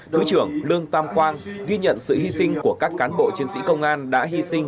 thứ trưởng lương tam quang ghi nhận sự hy sinh của các cán bộ chiến sĩ công an đã hy sinh